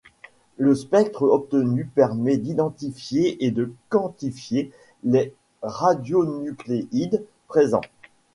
Le spectre obtenu permet d'identifier et de quantifier les radionucléides présents.